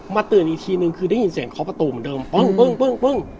มาตื่นอีกทีหนึ่งคือได้ยินเสียงเคาะประตูเหมือนเดิม